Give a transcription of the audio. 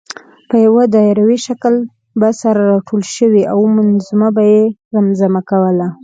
په یو دایروي شکل به سره راټولې شوې او منظومه به یې زمزمه کوله.